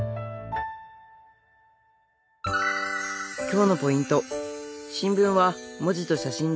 今日のポイント